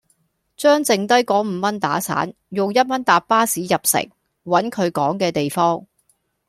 將淨低果五蚊打散，用一蚊搭巴士入城，搵佢講既地方。